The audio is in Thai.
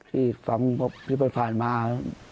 ที่ฟังพี่พันธุ์ผ่านมา